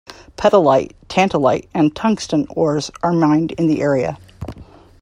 Petalite, Tantalite and tungsten ores are mined in the area.